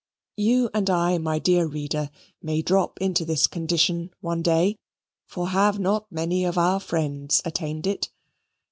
You and I, my dear reader, may drop into this condition one day: for have not many of our friends attained it?